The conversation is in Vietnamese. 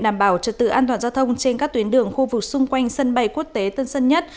đảm bảo trật tự an toàn giao thông trên các tuyến đường khu vực xung quanh sân bay quốc tế tân sơn nhất